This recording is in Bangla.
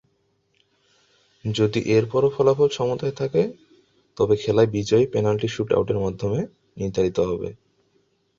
যদি এরপরও ফলাফল সমতায় থাকে, তবে খেলার বিজয়ী পেনাল্টি শুট-আউটের মাধ্যমে নির্ধারিত হবে।